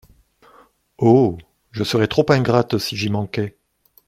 Oh ! je serais trop ingrate si j'y manquais.